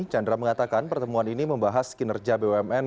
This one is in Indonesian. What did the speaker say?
chandra mengatakan pertemuan ini membahas kinerja bumn